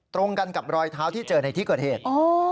ตรงกันกับรอยเท้าที่เจอในที่เกิดเหตุ